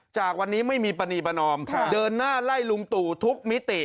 จากวันนี้ไม่มีปณีประนอมเดินหน้าไล่ลุงตู่ทุกมิติ